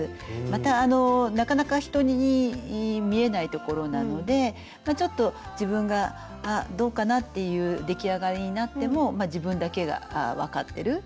またなかなか人に見えない所なのでちょっと自分が「あっどうかな」っていう出来上がりになってもまあ自分だけが分かってる。